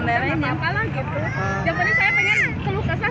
bahwa anak juga pada di